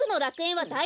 はい。